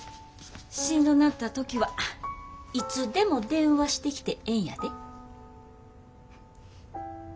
しんどなった時はいつでも電話してきてええんやで。